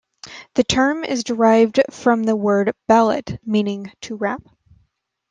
The term is derived from the word "balot" meaning "to wrap".